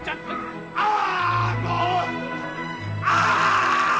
ああ！